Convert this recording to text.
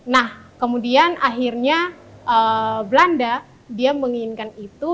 nah kemudian akhirnya belanda dia menginginkan itu